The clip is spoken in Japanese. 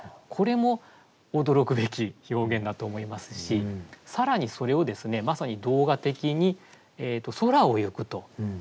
これも驚くべき表現だと思いますし更にそれをですねまさに動画的に「空をゆく」と。